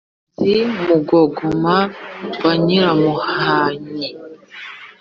zi mugogoma wa nyiramuhanyi